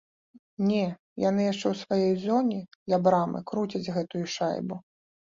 Не, яны яшчэ ў сваёй зоне ля брамы круцяць гэтую шайбу.